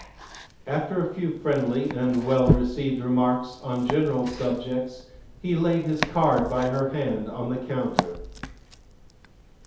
After a few friendly and well received remarks on general subjects, he laid his card by her hand on the counter.